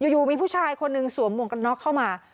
อยู่มีผู้ชายคนหนึ่งสวมหมวกกันน็อกเข้ามา